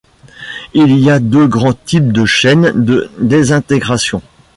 Il y a deux grands types de chaînes de désintégration.